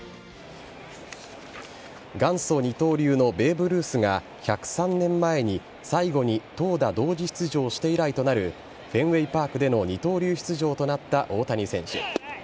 元祖二刀流のベーブ・ルースが１０３年前に最後に投打同時出場して以来となるフェンウェイパークでの二刀流出場となった大谷選手。